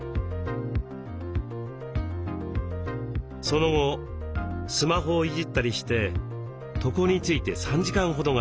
その後スマホをいじったりして床について３時間ほどが経過。